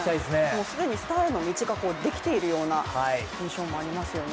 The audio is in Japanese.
もう既にスターの道ができているような印象もありますよね。